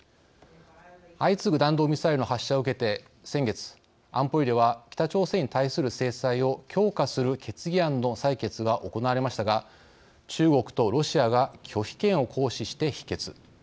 相次ぐ弾道ミサイルの発射を受けて先月、安保理では北朝鮮に対する制裁を強化する決議案の採決が行われましたが中国とロシアが拒否権を行使して否決。